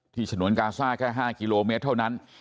ฉนวนกาซ่าแค่๕กิโลเมตรเท่านั้น